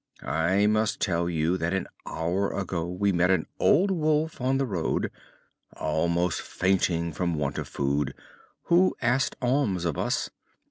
I must tell you that an hour ago we met an old wolf on the road, almost fainting from want of food, who asked alms of us.